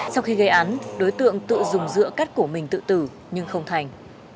sau khi gây án đối tượng tự dùng dựa cắt cổ mình tự tử nhưng không thành